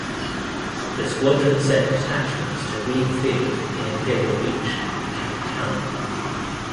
The squadron sent detachments to Ream Field in Imperial Beach and Camp Callan.